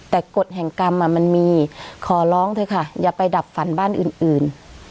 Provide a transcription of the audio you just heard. แต่กฎแห่งกรรมมันมีขอร้องเถอะค่ะอย่าไปดับฝันบ้านอื่น